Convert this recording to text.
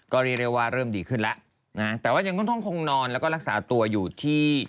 ก็เรียกได้ว่าเริ่มดีขึ้นแล้วนะแต่ว่ายังค่อนข้างคงนอนแล้วก็รักษาตัวอยู่ที่